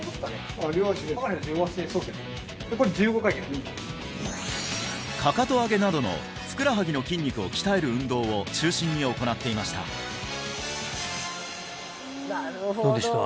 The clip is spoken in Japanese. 両足でそうですねこれ１５回でかかと上げなどのふくらはぎの筋肉を鍛える運動を中心に行っていましたどうでした？